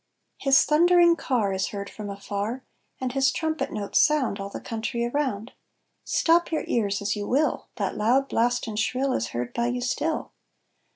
His thundering car Is heard from afar, And his trumpet notes sound All the country around; Stop your ears as you will, That loud blast and shrill Is heard by you still.